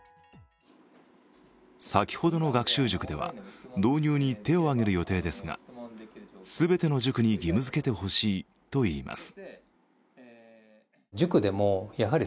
先ほどの学習塾では、導入に手を挙げる予定ですが、全ての塾に義務付けてほしいといいます。